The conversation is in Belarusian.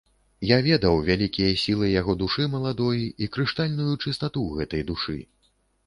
Я ведаў вялікія сілы яго душы маладой і крыштальную чыстату гэтай душы.